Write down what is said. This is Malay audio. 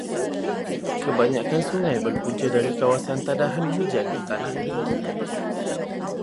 Kebanyakan sungai berpunca dari kawasan tadahan hujan di tanah tinggi.